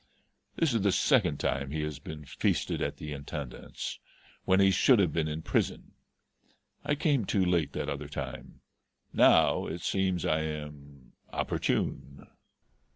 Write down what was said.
This is the second time he has been feasted at the Intendance when he should have been in prison. I came too late that other time; now it seems I am opportune."